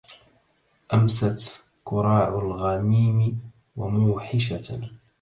أمست كراع الغميم موحشة